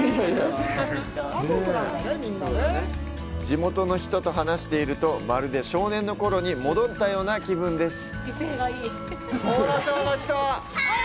地元の人と話していると、まるで少年の頃に戻ったような気分です。